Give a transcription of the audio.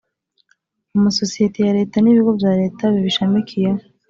amasosiyeti ya Leta n ibigo bya Leta bibishamikiyeho